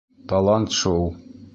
Талант шул.